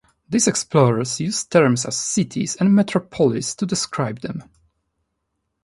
These explorers used terms such as ‘cities’ and ‘metropolis’ to describe them.